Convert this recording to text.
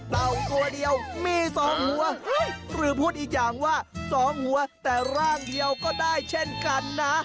เต้าตัวเดียวมี๒หัวหรือพูดอีกอย่างว่า๒หัวแต่ร่างเดียวก็ได้เช่นกันนะ